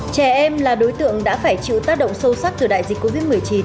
trẻ em là đối tượng đã phải chịu tác động sâu sắc từ đại dịch covid một mươi chín